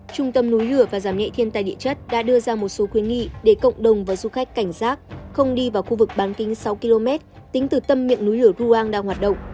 trung tâm núi lửa và giảm nhẹ thiên tài địa chất đã đưa ra một số khuyến nghị để cộng đồng và du khách cảnh giác không đi vào khu vực bán kính sáu km tính từ tâm miệng núi lửa ruang đang hoạt động